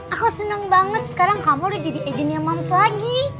aku senang banget sekarang kamu udah jadi agentnya moms lagi